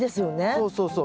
そうそうそう。